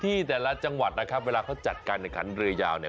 พื้นที่แต่ละจังหวัดนะครับเวลาเขาจัดการเรือยาวเนี่ย